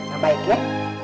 mbah baik ya